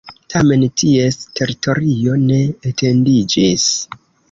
Tamen ties teritorio ne etendiĝis.